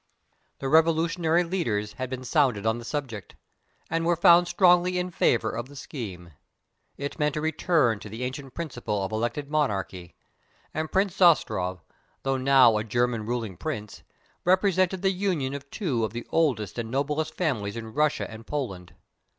The Revolutionary leaders had been sounded on the subject, and were found strongly in favour of the scheme. It meant a return to the ancient principle of elected monarchy, and Prince Zastrow, though now a German ruling prince, represented the union of two of the oldest and noblest families in Russia and Poland.